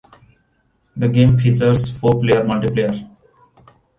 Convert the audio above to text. The game features four-player multiplayer.